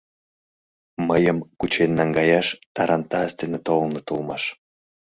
Мыйым кучен наҥгаяш тарантас дене толыныт улмаш.